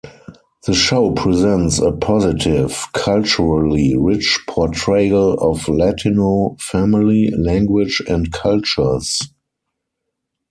The show presents a positive, culturally rich portrayal of Latino family, language and cultures.